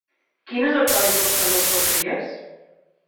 Quin és el codi postal de Potries?